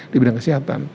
di bidang kesehatan